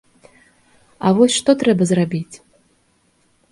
А вось што трэба зрабіць?